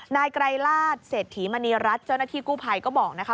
นายไกรลาศเศรษฐีมณีรัฐเจ้าหน้าที่กู้ภัยก็บอกนะคะ